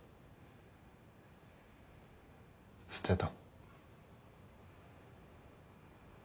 捨てた。